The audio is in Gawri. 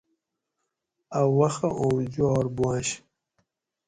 اٞ وخہ اوم جوار بوانش